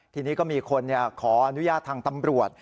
ทีนี้ก็มีคนขออนุญาตทางตำรวจ